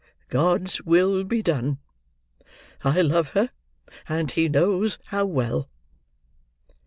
God's will be done! I love her; and He knows how well!"